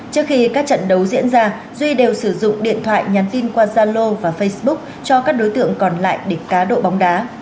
trước khi các trận đấu diễn ra duy đều sử dụng điện thoại nhắn tin qua zalo và facebook cho các đối tượng còn lại để cá độ bóng đá